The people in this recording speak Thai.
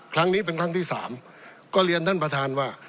ครั้งนี้เป็นครั้งที่สามก็เรียนท่านประธานว่า